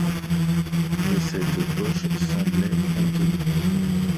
Mais cette poche semblait contenue.